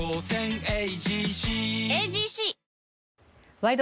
「ワイド！